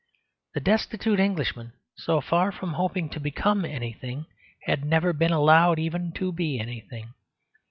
The destitute Englishman, so far from hoping to become anything, had never been allowed even to be anything.